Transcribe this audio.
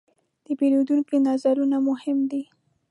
د پیرودونکو نظرونه مهم دي.